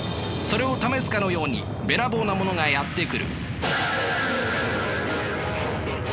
それを試すかのようにべらぼうなものがやって来る。